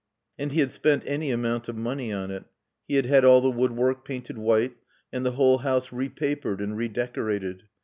And he had spent any amount of money on it. He had had all the woodwork painted white, and the whole house repapered and redecorated.